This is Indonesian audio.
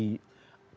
kekalahan ahok itu